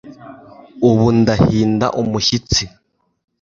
ubu ndahinda umushyitsi